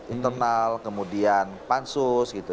internal kemudian pansus